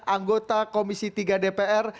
anggota komisi tiga dpr